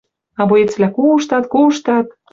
А боецвлӓ куштат, куштат